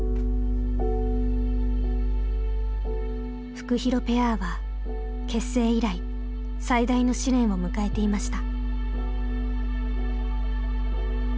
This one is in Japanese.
フクヒロペアは結成以来最大の試練を迎えていました。